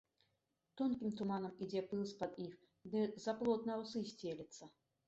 Тонкім туманам ідзе пыл з-пад іх ды за плот на аўсы сцелецца.